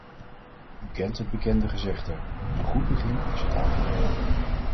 U kent het bekende gezegde: een goed begin is het halve werk.